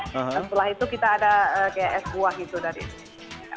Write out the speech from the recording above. setelah itu kita ada kayak es buah gitu dari itu